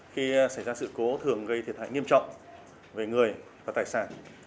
khi xảy ra sự cố thường gây thiệt hại nghiêm trọng về người và tài sản